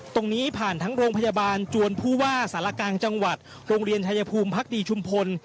ตรงนี้ผ่านทั้งโรงพยาบาลจวนผู้ว่าสารกลางจังหวัดโรงเรียนชายภูมิพักดีชุมพล